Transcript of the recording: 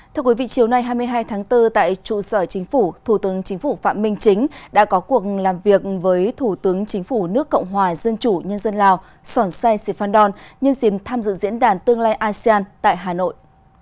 thưa quý vị chiều nay hai mươi hai tháng bốn tại trụ sở chính phủ thủ tướng chính phủ phạm minh chính đã có cuộc làm việc với thủ tướng chính phủ nước cộng hòa dân chủ nhân dân lào sòn sai sì phan đòn nhân diện tham dự diễn đàn tương lai asean tại hà nội